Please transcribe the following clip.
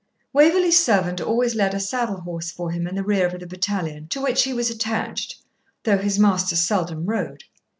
Waverley's servant always led a saddle horse for him in the rear of the battalion to which he was attached, though his master seldom rode.